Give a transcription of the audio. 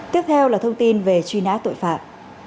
tiếp theo là thông tin về truy nã tội phạm